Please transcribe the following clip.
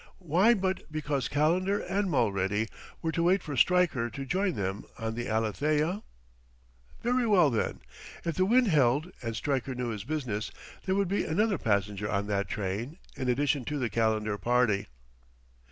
Why but because Calendar and Mulready were to wait for Stryker to join them on the Alethea? Very well, then; if the wind held and Stryker knew his business, there would be another passenger on that train, in addition to the Calendar party.